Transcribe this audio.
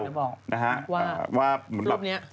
เล่าทำไมตามบอก